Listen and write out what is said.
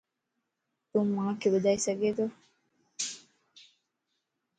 تون مانک ٻڌائي سڳي تو